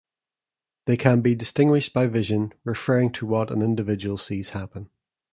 They can be distinguished by vision referring to what an individual sees happen.